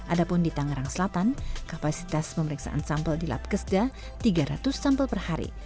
ada pun di tangerang selatan kapasitas pemeriksaan sampel di lab kesda tiga ratus sampel per hari